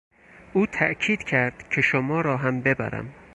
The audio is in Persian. او تاکید کرد که شما را هم ببرم.